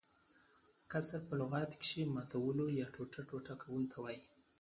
کسر په لغت کښي ماتولو يا ټوټه - ټوټه کولو ته وايي.